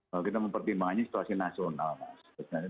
kalau kita mempertimbangkannya situasi nasional mas